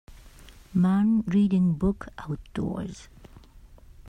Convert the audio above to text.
Man reading book outdoors.